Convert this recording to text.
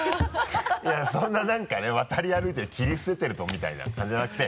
いやいやそんな何かね渡り歩いてる切り捨ててるみたいな感じじゃなくて。